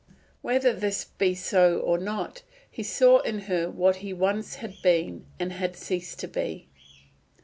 Whether this be so or not, he saw in her what he once had been and had ceased to be.